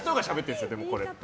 でも、これって。